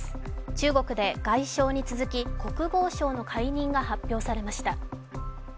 中国で外相に続き、国防相の解任が発表されました。